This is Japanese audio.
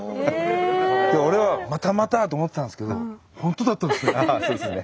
で俺はまたまたって思ってたんですけど本当だったんですね。